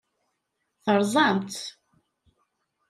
Terẓam-tt.